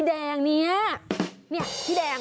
บางทีแล้ว